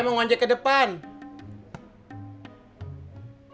masa itu dulu tak terjangkau ya